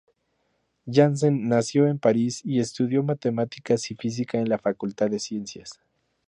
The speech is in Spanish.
Janssen nació en París y estudió matemáticas y física en la facultad de ciencias.